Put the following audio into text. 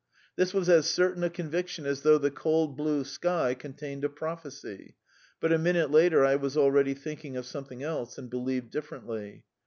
This was as certain a conviction as though the cold blue sky contained a prophecy, but a minute later I was already thinking of something else and believed differently.